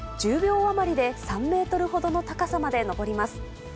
１０秒余りで３メートルほどの高さまで登ります。